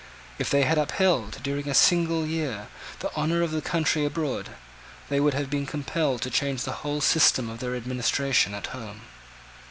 If they had upheld, during a single year, the honour of the country abroad, they would have been compelled to change the whole system of their administration at home.